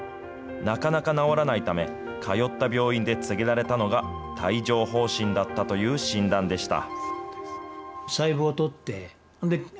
なかなか治らないため、通った病院で告げられたのが、帯状ほう疹だったという診断でした。